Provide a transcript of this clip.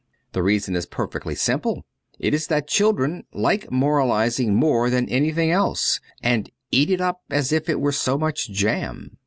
The reason is perfectly simple : it is that children like moralizing more than anything else, and eat it up as if it were so much jam.